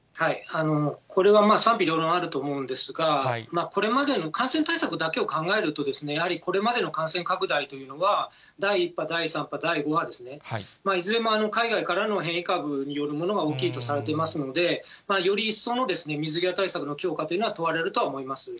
これは賛否両論あると思うんですが、これまでの感染対策だけを考えると、やはりこれまでの感染拡大というのは、第１波、第３波、第５波ですね、いずれも海外からの変異株によるものが大きいとされていますので、より一層の水際対策の強化というのは問われるとは思います。